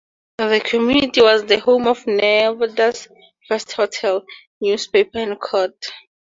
The community was the home to Nevada's first hotel, newspaper and court.